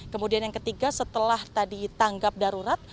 kemudian yang ketiga setelah tadi tanggap darurat